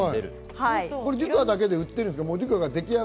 デュカだけで売ってるんですか？